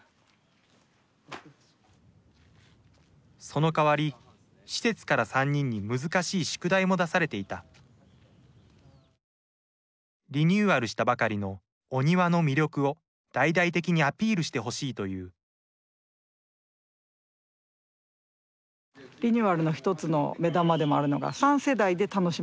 そのかわり施設から３人に難しい宿題も出されていたリニューアルしたばかりのお庭の魅力を大々的にアピールしてほしいというあオッケーオッケー。